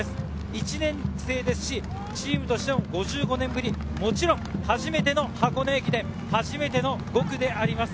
１年生でチームとして５５年振り、もちろん初めての箱根駅伝、初めての５区です。